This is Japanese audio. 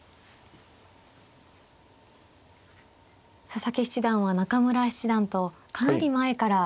佐々木七段は中村七段とかなり前から研究会で。